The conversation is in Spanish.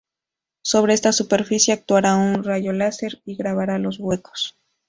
Sobre esta superficie actuará un rayo láser y grabará los huecos.